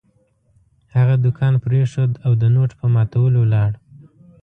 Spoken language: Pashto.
هغه دوکان پرېښود او د نوټ په ماتولو ولاړ.